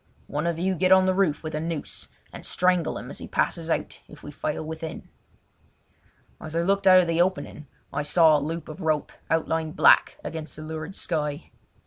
"One of you get on the roof with a noose and strangle him as he passes out if we fail within." As I looked out of the opening I saw the loop of a rope outlined black against the lurid sky.